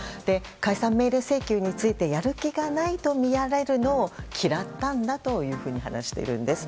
解散命令請求についてやる気がないと見られるのを嫌ったんだと話しているんです。